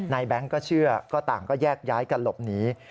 แบงค์ก็เชื่อก็ต่างก็แยกย้ายกันหลบหนี